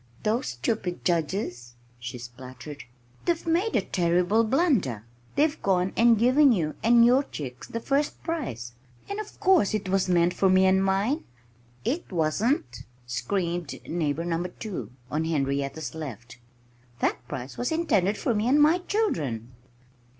"Those stupid judges!" she spluttered. "They've made a terrible blunder. They've gone and given you and your chicks the first prize. And of course it was meant for me and mine!" "It wasn't!" screamed Neighbor Number 2 (on Henrietta's left). "That prize was intended for me and my children!"